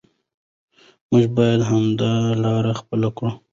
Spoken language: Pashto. موږ باید همدا لاره خپله کړو.